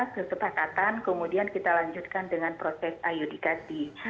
kesepakatan kemudian kita lanjutkan dengan proses ayodikasi